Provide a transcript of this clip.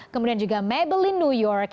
kemudian juga mabeli new york